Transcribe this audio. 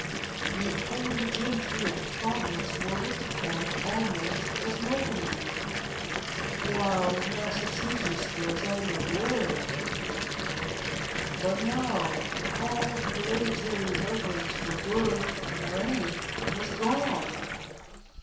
The old gentry of the province were looked upon almost as noblemen, while Massachusetts was under royal government. But now, all hereditary reverence for birth and rank was gone.